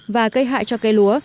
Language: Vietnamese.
và gây hại cho cây lúa